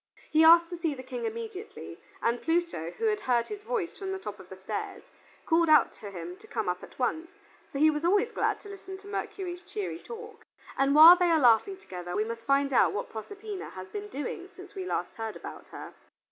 He asked to see the King immediately, and Pluto, who had heard his voice from the top of the stairs, called out to him to come up at once, for he was always glad to listen to Mercury's cheery talk. And while they are laughing together we must find out what Proserpina had been doing since we last heard about her.